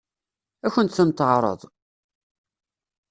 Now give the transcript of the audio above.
Ad kent-tent-teɛṛeḍ?